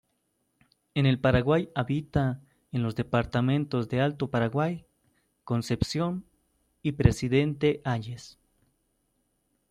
En el Paraguay habita en los departamentos de Alto Paraguay, Concepción, y Presidente Hayes.